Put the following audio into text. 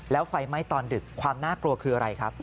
แล้วไฟไหม้ตอนดึกความน่ากลัวคืออะไรครับ